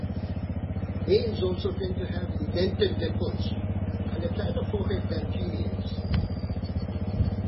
Males also tend to have indented temples and a flatter forehead than females.